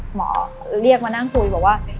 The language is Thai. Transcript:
หมอเรียกมานั่งคุยบอกว่า